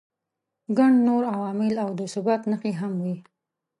ګڼ نور عوامل او د ثبات نښې هم وي.